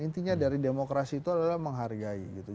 intinya dari demokrasi itu adalah menghargai gitu